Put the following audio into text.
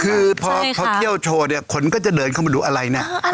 คือพอเขาเที่ยวโชว์เนี่ยคนก็จะเดินเข้ามาดูอะไรเนี่ย